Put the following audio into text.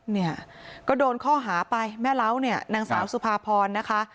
เนี่ยก็โดนข้อหาไปแม่เล้าเนี่ยนางสาวสุภาพรนะคะ